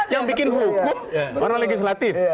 yang bikin hukum orang legislatif